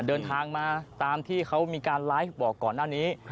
เดินทางมาตามที่เขามีการไลฟ์บอกก่อนหน้านี้